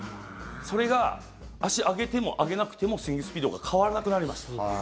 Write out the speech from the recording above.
それが、足上げても上げなくてもスイングスピードが変わらなくなりました。